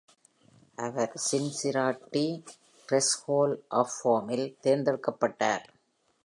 Our Cincinnati Reds Hall of ஃபேமில் தேர்ந்தெடுக்கப்பட்டார்.